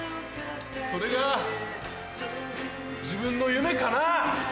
それが自分の夢かな！